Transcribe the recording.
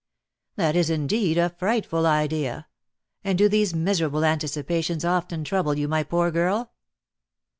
"That is, indeed, a frightful idea! And do these miserable anticipations often trouble you, my poor girl?"